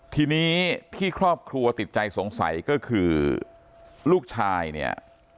ทีนี้ที่ครอบครัวติดใจสงสัยก็คือลูกชายเนี่ย